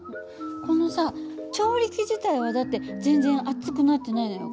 このさ調理器自体はだって全然熱くなってないのよ。